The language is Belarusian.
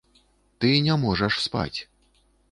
Ты не можаш спаць.